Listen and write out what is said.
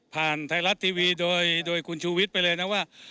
ไทยรัฐทีวีโดยคุณชูวิทย์ไปเลยนะว่า